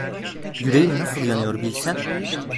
Yüreğim nasıl yanıyor bilsen…